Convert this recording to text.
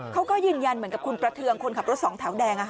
เขาก็ยืนยันเหมือนกับคุณประเทืองคนขับรถสองแถวแดง